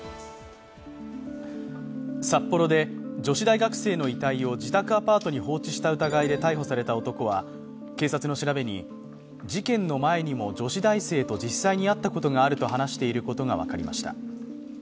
札幌で、女子大学生の遺体を自宅アパートに放置した疑いで逮捕された男は警察の調べに、事件の前にも女子大生と実際に会ったことがあると話していることが分かりました。